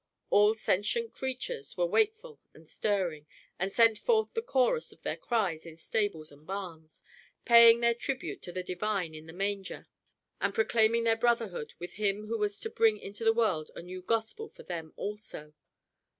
All sentient creatures were wakeful and stirring, and sent forth the chorus of their cries in stables and barns paying their tribute to the Divine in the Manger and proclaiming their brotherhood with Him who was to bring into the world a new gospel for them also.